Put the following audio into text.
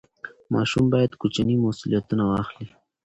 ماشوم باید کوچني مسوولیتونه واخلي.